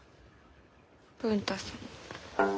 文太さんの。